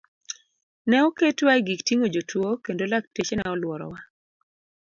Ne oketwa e gik ting'o jotuo kendo lakteche ne oluorowa.